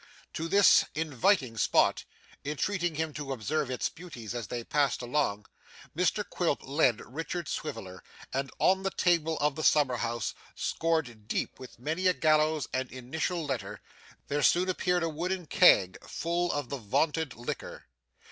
To this inviting spot, entreating him to observe its beauties as they passed along, Mr Quilp led Richard Swiveller, and on the table of the summer house, scored deep with many a gallows and initial letter, there soon appeared a wooden keg, full of the vaunted liquor.